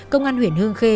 công an huyện hương khê